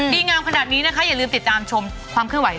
ดีงามขนาดนี้นะคะอย่าลืมติดตามชมความเคลื่อนไหว